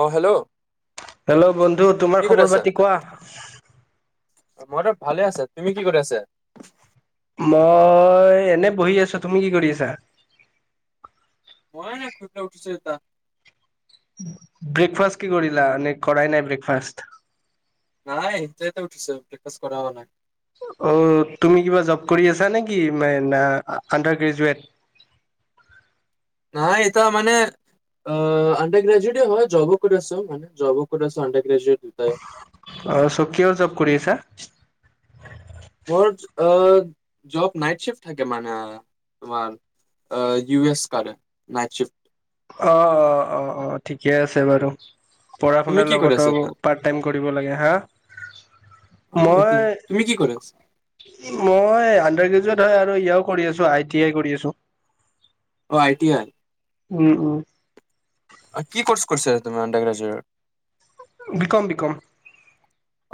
অ hello hello বন্ধু কি তোমাৰ কৰি খবৰ আছা পাতি কোৱা মই ত ভালে আছে তুমি কি কৰি আছা মই এনে বহি আছো তুমি কি কৰি আছা মই নাই খুটল উঠিছো এটা ব্ৰেকফাষ্ট কি কৰিলা নে কৰাাই নাই ব্ৰেকফাষ্ট নাই ইটোয়াতে উঠিচো ব্ৰেকফাষ্ট কৰা হোৱা নাই। অ' তুমি কিবা জব কৰি আছা নেকি [unintelligible] আনডাৰ গ্ৰেজুৱেট? নাই এইটা মানে অ' আণ্ডাৰ গ্ৰেজুৱেটে হয় জবক কৰি আছো মান জবও কৰি আছো আণ্ডাৰ গ্ৰট দুটাই অ' চ কিহৰ জব কৰি আছা? মোৰ জব নাইট চিফট থাকে মানে। তোমাৰ আ ইউ এচ ক নাইটছিফ অ', অ', অ', অ', অ' ঠিকে আছে বাৰু। পঢ়া তুমি শুনাৰ কি কৰি লগতো আছা এতিয়া পাৰ্ট টাইম কৰিব লাগে হা। অ' মই এতিয়া তুমি কি কৰি আছ? মই আনডাৰ গ্ৰেজুৱেট হয় আৰু ইয়ও কৰি আছো আই টি আই কৰি আছো। অ' আই টি আই। উম, উম। আ কি কৰ্চ কৰিছা তুমাৰ আণ্ডাৰ গ্ৰেজুৱেট? BCom BCom.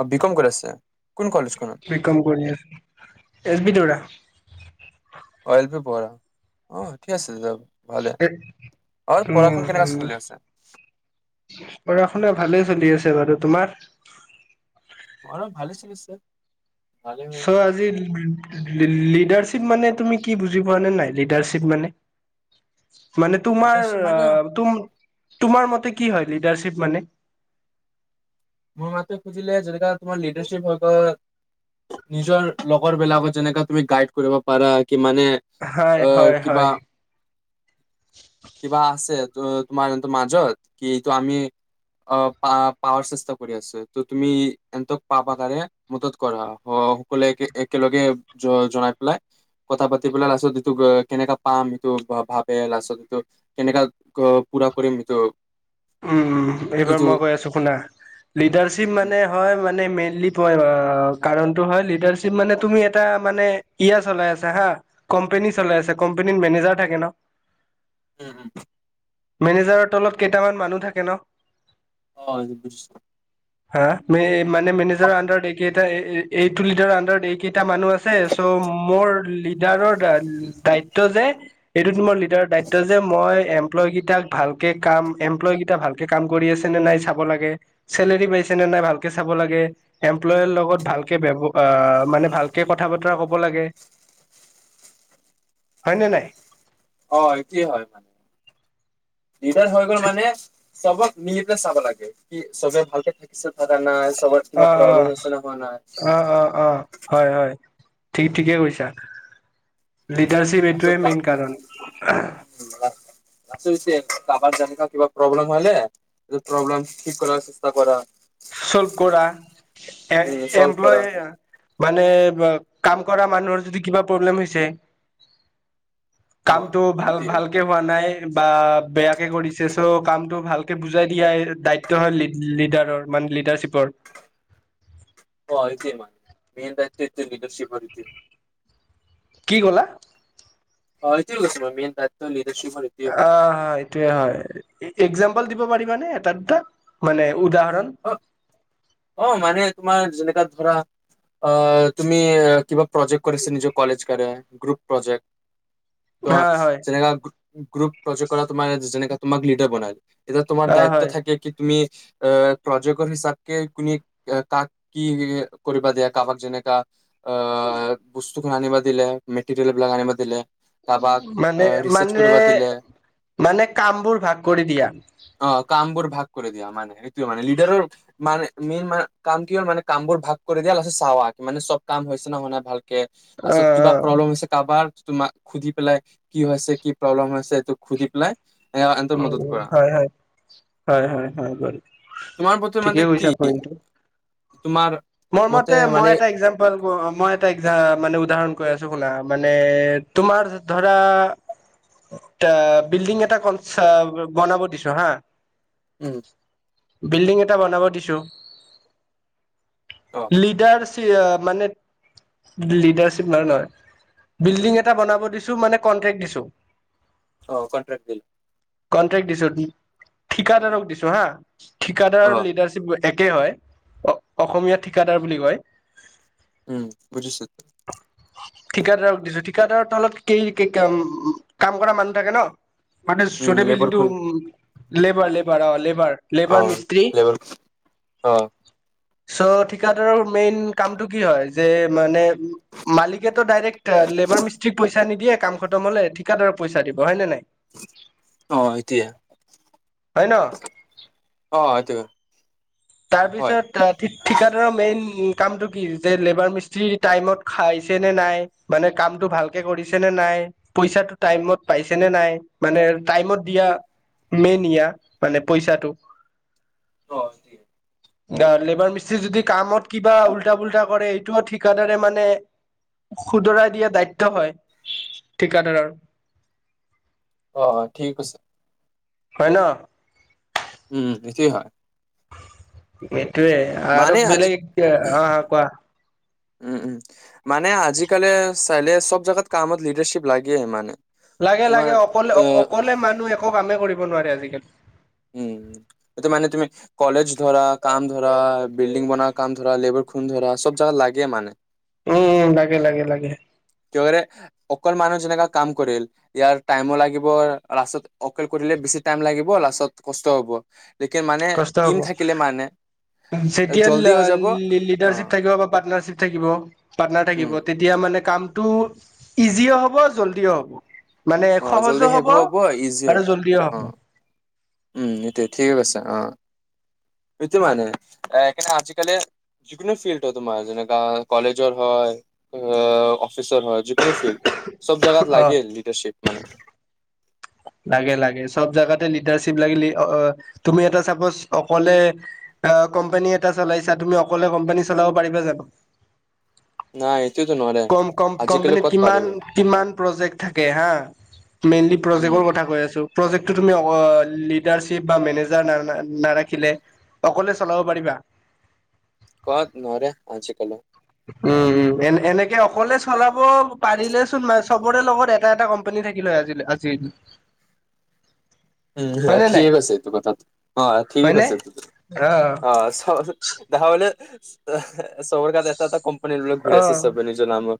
অ' বিকম কৰি আছে, কোন কলেজখনত? বিকম কৰি আছো, এছ বি দেউৰা। অ এল পি পঢ়া, অ ঠিক আছে [unintelligible] ভালে, এ- অৰ পঢ়া উম - শুন কেনেকা উম চলি আছে? পঢ়া - শুনা ভালেই চলি আছে বাৰু তোমাৰ? মৰ ভালে চলিছে, ভালে হৈ চ আজি লি লি লিডাৰশ্বিপ মানে তুমি কি বুজি পোৱা নে নাই লিডাৰশ্বিপ মানে মানে তোমাৰ লিডাৰশ্বিপ আ মানে তুম তোমাৰ মতে কি হয় লিডাৰশ্বিপ মানে? মোৰ মাততে খুজিলে যেনেকা তোমাৰ লিডাৰশিপ হয় গল নিজৰ লগৰবিলাকত যেনেকা তুমি গাইড কৰিব পাৰা কি মানে হয় আহ হয় কিবা হয় কিবা আছে ত তোমাৰ যোনটো মাজত, কিটো আমি অ পা পাৱাৰ চস্তক কৰি আছে, ত তুমি এনথক পাবা তাৰে মদত কৰা স সকলোৱে একে একেলগে জ জনাই পেলাই কথা পাতিবলে লাষ্টত [unintelligible] কেনেকা পাম সিটো ভাব ভাবে লাছত এইটো কেনেকা ক পুৰা কৰিম সেইটোক? উম, উম, এইবাৰ মই কৈ আছো শুনা, লীডাৰশ্বীপ মানে হয় মানে মেইনলী পই হয় কাৰণটো হয় লীডাৰশ্বীপ মানে তুমি এটা মানে ইয়া চলাই আছা হা কম্পেনী চলাই আছে, কম্পেনীৰ মেনেজাৰ থাকে ন। উম। মেনেজাৰৰ তলত কেইটামান মানুহ থাকে ন? অ' [unintelligible] হা মে মানে মেনেজাৰৰ অ', আণ্ডাৰত এইকেইটা এ এ এইটো লিডাৰৰ আণ্ডাৰত এই কেইটা মানুহ আ চে চ মোৰ লিডাৰৰ দা দায়িত্ব যে এইটো তোমাৰ লি লিডাৰৰ দায়িত্ব যে মই এমপ্লয় কেইটাক ভালকে কাম এমপ্লয় কেইটা ভালকে কাম কৰি আছে নে নাই চাব লাগে, চেলেৰি পাইছে নে নাই ভালকে চাব লাগে। এমপ্লয়ৰ লগত উম, ভালকে বৱ আ মানে ভাল কে কথা - বতৰা কব লাগে হয়নে নাই? অ' একে হয় মানে লিডাৰচ হৈ গ'ল মানে চবক নিজে চাব লাগে, কি চবে ভালকে থাকিছে পাৰা নাই চবত অ' কিবা প্ৰব্লেম অ', হৈছে নে হোৱা নাই অ' অ' অ', হয় হয়, ঠিক ঠিকে কৈছা। লীডাৰশ্বীপ এইটোৱে মেইন কাৰণ আহ। [unintelligible] কাৰবাৰ যেনেকা কিবা প্ৰব্লেম হলে এইটো প্ৰব্লেম ঠিক কৰাৰ চেষ্টা কৰা। চলভ কৰা এ উম, চল্ভ কৰা এমপ্লয় মানে বা কাম কৰা মানুহৰ যদি কিবা প্ৰব্লেম হৈছে অ', কামটো ভাল এইটোৱে ভালকে হোৱা নাই বা বেয়াকে কৰিছে, চ' কামটো ভালকে বুজাই দিয়াই দায়িত্ব হয় লি লিডাৰৰ মানে লিডাৰশ্বিপৰ। অ [unintelligible] লিডাৰশ্বিপৰ এইটো। কি ক'লা? অ সেইটোৱে কৈছিলো মেন টাইপটো লিডাৰশ্বিপৰ এই অ হয় এইটোয়ে হয়, এ একজাম্পল দিব পাৰিবানে এটা দুটা, মানে উদাহৰণ? অ, অ মানে তোমাৰ যেনেকা ধৰা অ', তুমি কিবা প্ৰজেক্ট কৰিছা? নিজৰ কলেজ কাৰনে, গ্ৰুপ প্ৰজেক্ট। ত' হয় হয় যেনেকা গ্ৰুপ প্ৰজেক কৰা, তোমাৰ যেনেকা তোমাক লিডাৰ বনাই। এতিয়া তোমাৰ অ দায়িত্ব হয় থাকে, কি তুমি এ প্ৰজেকৰ হিচাপকে তুমি কাক কি কৰিবা দিয়া? কাৰোবাক যেনেকা অ', বস্তুখন আনিব দিলে, মেটেৰিয়েল বিলাক আনিব দিলে। কাৰোবাক মানে, ৰিচাৰ্চ মানে, কৰিবা দিলে মানে কাম বোৰ ভাগ কৰি দিয়া। অ', কাম বোৰ ভাগ কৰি দিয়া মানে, সেইটোৱেই মানে, লিডাৰৰ মানে মেইন, মানে কাম কি হ'ল মানে কাম বোৰ ভাগ কৰি দিয়া, তাৰপিছত চাৱা, মানে চব কাম হৈছেনে নাই হোৱা ভাল অ তাৰপিছত কিবা প্ৰব্লেম অ হৈছে কাৰোবাৰ, তোমাক সুধি পেলাই কি হৈছে? কি প্ৰব্লেম হৈছে? এইটো সুধি পেলাই, এ আনটো উম মদত উম কৰা। হয় হয়, হয়, হয়, হয়। তোমাৰ প্ৰতি ঠিকে মানে কি? কৈছা পইণ্টটো। তোমাৰ মোৰ মতে, মই এটা একযাম মই এটা একযাম মানে উদাহৰণ কৈ আছো শুনা, মানে তোমাৰ ধৰা [inaudible] বিল্ডিং এটা কন, বনাব দিছো হা। উম। বিল্ডিং এটা বনাব দিছোঁ। অ লিডাৰচি মানে লিডাৰশ্বিপ মানে নহয়। বিল্ডিং এটা বনাব দিছোঁ, মানে কন্ট্ৰেক্ট দিছোঁ। অ', কন্ট্ৰেক্ট দিল কনট্ৰেক্ট দিছোঁ, ঠিকাদাৰক দিছোঁ হা, অ ঠিকাদাৰৰ লিডাৰশ্বিপ একে হয়, অসমীয়াত ঠিকাদাৰ বুলি কয়। উম, বুজিছোঁ। ঠিকাদাৰক দিছোঁ, ঠিকাদাৰৰ তলত কি কাম কৰা মানুহ থাকে ন। মানে উম চুটি বিল্ডিংটো লেবাৰখন লেবাৰ লেবাৰ অ', লেবাৰ। অ লেবাৰ, মিস্ত্ৰী, লেবাৰ অ চ' ঠিক কাদাৰৰ মেইন কামটো কি হয়? যে মানে মালিকেটো ডাইৰেক্ট লেবাৰ মিস্ত্ৰিক পইচা পইচা নিদিয়ে কাম খতম হ'লে, ঠিকাদাৰক পইচা দিব হয় নে নাই? অ', হয় দিয়া, হয় ন অ', এইটো। তাৰপিছত, ঠিকাদাৰৰ মেইন কামটো কি? যে লেবাৰ মিস্ত্ৰি টাইমত খাইছে নে নাই, মানে কামতটো ভালকে কৰিছে নে নাই। পইচাটো টাইমত পাইছে নে নাই? মানে টাইমত দিয়া মেনিয়া, মানে পইচাটো। অ'। লেবাৰ মিস্ত্ৰীৰ যদি কামত কিবা উল্টা পুল্টা কৰে, এইটোও ঠিকাদাৰে মানে শুদ্ধৰাই দিয়া দায়িত্ব হয়, ঠিকাদাৰৰ। অ', অ', ঠিকেই কৈছে। হয় ন। উম, এইটোৱেই হয়। এইটোৱেই আৰু মানে আজি বেলেগ, অ', অ', কোৱা। উম, উম, মানে আজিকালি চালে চব জোগাত কামত লিডাৰশ্বিপ লাগেই মানে। লাগে তোমাৰ লাগে, অকলে, আহ অকলে মানুহ একো কামেই কৰিব নোৱাৰে আজিকালি। উম, এইটো মানে তুমি কলেজ ধৰা কাম ধৰা বিল্ডিং বনোৱাৰ কাম ধৰা লেবাৰ খুন ধৰা চব জাগত লাগে মানে। উম, লাগে লাগে লাগে। কেৰে অঁকৰা মানুহ যেনেক কাম কৰিল ইয়াৰ টাইমো লাগিব লাষ্টত অকেল কৰিলে বেছি টাইম লাগিব লাষ্টত কষ্টও হব। লকে মানে কষ্ট হ'ব টিম থাকিলে মানে। যেতিয়া জল্দি লা হৈ যাব। লি লিডাৰশ্বিপ অ', থাকিব বা পাৰ্টনাৰশ্বিপ থাকিব পাৰ্টনাৰ উম, থাকিব তে- তিয়া মানে কামটো ইজিও হ'ব জল্দিও হ'ব। মানে অ', জল্দি সহজো শেষ হ'ব ইজি হ'ব। আৰু জল্দিও হ'ব। অ', উম এইটোয় ঠিকেই কৈছা। অ সেইটো মানে সেইকাৰণে আজিকালি- যিকোনো ফিল্ডত তোমাৰ যেনেকা কলেজৰ হয়, অ' অফিচাৰ হয় যিকোনো ফিল্ড চব জাগাত অ লাগেই লিডাৰশিপ মানে। লাগে লাগে চব জোগাতে লিডাৰশ্বিপ লাগিলেই অ তুমি এটা চাপজ অকলে- অ' কোম্পানী এটা চলাইছা তুমি অকলে কোম্পানী চলাব পাৰিবা জানো? নাই এইটোতো নৰে কম কম আজিকালি কম্পানীত ক'ত পাৰিব কিমান- কিমান প্ৰজেক্ট থাকে হা? মেইনলি- উম প্ৰজেকৰ কথা কৈ আছোঁ। প্ৰজেকটো তুমি অ লিডাৰিপ বা মেনেজাৰ না নাৰাখিলে, অকলে চলাব পাৰিবা? কত নোৱাৰে আজিকালি। উম উম এন এনেকে অকলে চলাব পাৰিলে চোন মা- চবৰে লগত এটা এটা কোম্পানী থাকিলে হয় আজ আজি। উম হয়নে নাই ঠিকেই কৈছে কথাটো অ ঠিকে হয়নে কৈছে অ অ'- দেখা হলে চবৰ তাত এটা এটা কোম্পানী লৈ ঘূৰি অ আছে চব নিজৰ নামত।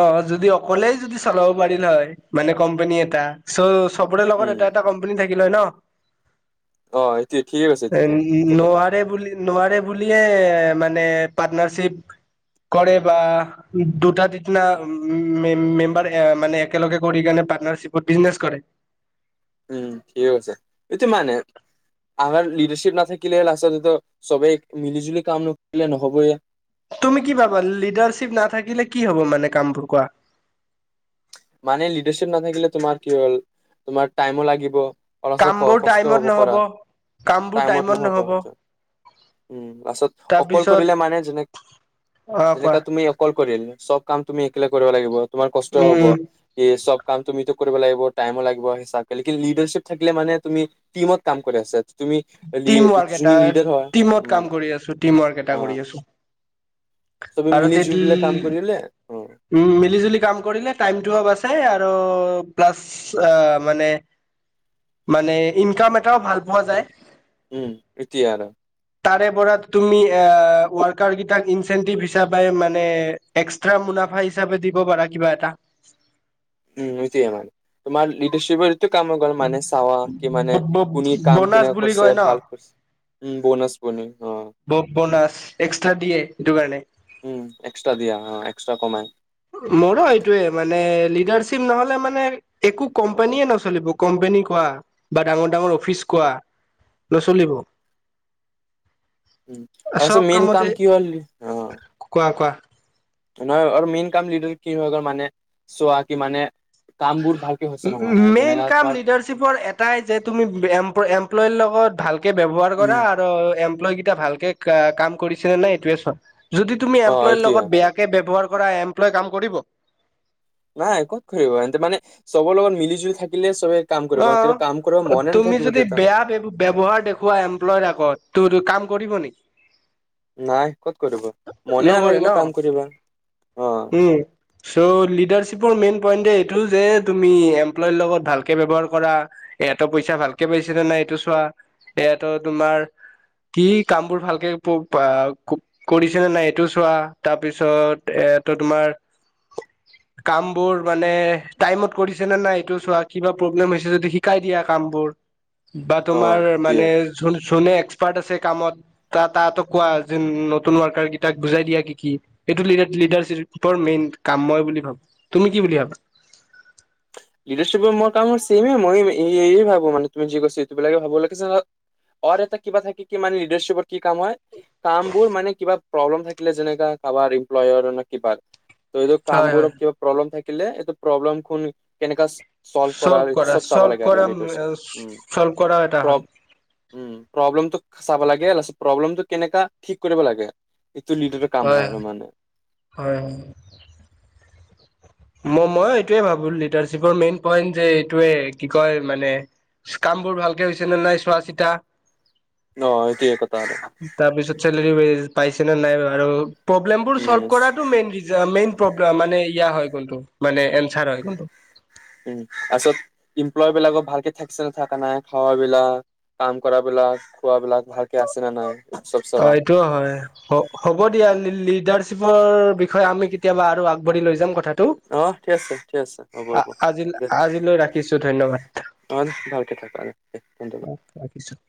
অ যদি অকলেই যদি চলাব পাৰিলে হয় মানে কোম্পানী এটা চ'- চবৰে লগত উম এটা এটা কোম্পানী থাকিলে হয় ন'। অ এইটো ঠিকে কৈছে এইটো নোৱাৰে এইটো কথা বুলি- নোৱাৰে বুলিয়ে মানে পাৰ্টনাৰশ্বিপ- কৰে বা দুটা- না মেম মেম্বাৰ মানে একেলগে কৰিকিনে পাৰ্টনাৰশ্বিপত বিজনেছ কৰে। উম ঠিক আছে সেইটো মানে। আমাৰ লিডাৰশ্বিপ নাথাকিলে লাষ্টততো চবেই মিলি জুলি কাম নকৰিলে নহবয়ে। তুমি কি ভাবা লিডাৰশ্বিপ নাথাকিলে কি হ'ব মানে কামবোৰ কোৱা? মানে লিডাৰশ্বিপ নাথাকিলে তোমাৰ কি হ'ল তোমাৰ টাইমো লাগিব, অলচক ক কামবোৰ কষ্টও টাইমত হব নহ'ব কৰা। টাইমত নহ'ব সেইটো। উম পাছত অকল তাৰপিছত কৰিলে মানে যেনে অ কোৱা যেনেকা তুমি- কল কৰিল চব কাম তুমি একলে কৰিব লাগিব তোমাৰ কষ্টও উম হব। উম ই চব কাম তুমিতো কৰিব লাগিব টাইমো লাগিব হিচাপে লেকিন লিডাৰশ্বিপ থাকিলে মানে তুমি- টিমত কাম কৰি আছে তুমি লি টিম ৱৰ্ক এটা জুই লিডাৰ হয়। টিমত উম কাম কৰি আছো টিম ৱৰ্ক এটা অ' কৰি আছো চবে আৰু মিলি যিবিলাক কাম তে কৰিলে। উম মিলি জুলি কাম কৰিলে টাইমটো অভাৰ চাই আৰু প্লাছ- চা মানে মানে ইনকাম এটাও ভাল পোৱা যায়। উম এতিয়া আৰু- তাৰে পৰা তুমি এ ৱাৰকাৰ কেইটাক ইনচেন্টিভ হিচাপে মানে- এক্সট্ৰা মুনাফা হিচাপে দিব পাৰা কিবা এটা। উম সেইটোৱে মানে তোমাৰ লিডাৰশ্বিৰ- ইটো কাম গল মানে চাৱা কি মানে ব- কোনে ব- কাম বনাছ কনেকোৱা বুলি কয় কৰিছে ন ভাল কৰিছে উম বোনছ বনি অঁ ব বনাছ এক্সট্ৰা দিয়ে সেইটো কাৰণে। উম এক্সট্ৰা দিয়া অঁ এক্সট্ৰা কমাই। মোৰো এইটোৱে মানে লিডাৰশ্বিপ নহলে মানে একো কোম্পানীয়ে নচলিব কোম্পানী কোৱা বা ডাঙৰ ডাঙৰ অফিচ কোৱা। নচলিব। তাৰপিছত চব মেইন কামতে কাম কি হ'ল অ', কোৱা কোৱা। নহয় আৰু মেইন কাম লিডাৰ কি হয় গল মানে চোৱা কি মানে কামবোৰ ভালকে হৈছে নে নাই হোৱা মেইন যেনেকা কাম তোমাৰ লিডাৰশ্বিপৰ এটাই যে তুমি এমপ্লয় লগত ভালকে ব্যৱহাৰ কৰা। উম, অ ভালেকে কাম কৰিছে নে নাই এইটোৱেই চোৱা যদি তুমি অ', এমপ্লয় এইটোয়ে লগত বেয়া কে ব্যৱহাৰ কৰা এমপ্লয় কাম কৰিব। নাই কত কৰিব মানে চবৰ লগত মিলি জুলি থাকিলে চবে কাম কৰিব অ তেতিয়া কাম কৰিব মনে তুমি নাথাকিব যদি তেতিয়া বেয়া ব্যৱহাৰ দেখোৱা এমপ্লয়ৰ আগত তোৰ কাম কৰিব নেকি? নাই ক'ত কৰিব, মনে নকৰে নালাগিব ন কাম কৰিবা অঁ। উম চ' লিডাৰশ্বিপৰ মেইন পইন্ট এইটো যে তুমি এমপ্লয়ৰ লগত ভাল কে ব্যৱহাৰ কৰা এহেঁতৰ পইচা ভালকে পাইছে নে নাই এইটো চোৱা এহেঁতৰ তোমাৰ কি কাম বোৰ ভালকে প অ কৰিছে নে নাই এইটো চোৱা তাৰপিছত এ ত তোমাৰ কাম বোৰ মানে টাইমত কৰিছে নে নাই এইটো চোৱা। কিবা প্ৰব্লেম হৈছে যদি শিকাই দিয়া কাম বোৰ বা অ', তোমাৰ এতিয়া মানে জোন জোনে এক্সপাৰ্ট আছে কামত তা তাহাঁতক কোৱা যে নতুন ৱৰ্কাৰ কেইটাক বুজাই দিয়া কি কি এইটো লিডাৰশ্বিপৰ মেইন কাম মই বুলি ভাবো। তুমি কি বুলি ভাবা? লিডাৰশ্বিপৰ মোৰ কাম ছেমে মই এই ভাবো মানে তুমি যি কৈছা এই বিলাকে ভাবো লিডাৰশ্বিপত অৰ এটা কিবা থাকে কি মানে লিডাৰশ্বিপৰ কি কাম হয় কাম বোৰ মানে কিবা প্ৰব্লেম থাকিলে যেনেকা কাৰোবাৰ এমপ্লয়ৰ ন কিবা কাম হয় হয়। বোৰত কিবা প্ৰব্লেম থাকিলে এইটো প্ৰব্লেম খন কেনেকা চল্ভ কৰাৰ এইটো কৰা চব চাব চল্ভ লাগে আৰু কৰা লিডাৰশিপ উম। চল্ভ কৰাও এটা প্ৰ হয়। উম প্ৰব্লেমটো চাব লাগে প্ৰব্লেমটো কেনেকা ঠিক কৰিব লাগে। এইটো লিডাৰৰ কাম হয় আৰু মানে। হয়। ম মই এইটোৱে ভাবো লিডাৰশ্বিপৰ মেইন পইণ্ট যে এইটোৱে কি কয় মানে কাম বোৰ ভালকে হৈছে নে নাই চোৱা চিতা ন এইটোৱে কথা আৰু। তাৰপিছত চেলেৰী ৱেজ পাইছে নে নাই আৰু পৰব্লেম বোৰ চলভ উম কৰাটো মেইন মেইন প্ৰব্লেম মানে ইয়া হয় কোনটো মানে এনছাৰ হয় গল তোৰ উম আচল এমপ্লয় বিলাকৰ ভালকে থাকছে নে থাকা নাই খাৱাবিলাক কাম কৰা বিলাক, খোৱাবিলাক ভালকে আছে নে নাই চব চাৱা। সেইটো হয়। হ'ব দিয়া লিডাৰশ্বিপৰ বিষয়ে আমি কেতিয়াবা আৰু আগবাঢ়ি লৈ যাম কথা টো অ ঠিক আছে ঠিক আছে হ'ব হ'ব আজি দে আজিলৈ ৰাখিছো, ধন্যবাদ। ভালকে থাকা আৰু ধন্যবাদ। [unintelligible]